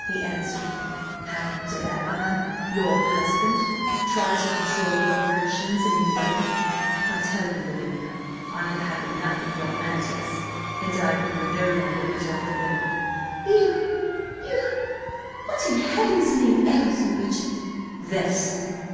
he answered. "How dare I, your husband, try to control your actions in any way? I tell you, Lavinia, I have had enough of your antics, and I will not longer put up with them!" "You–you— What in heaven's name ails you, Richard?" "This!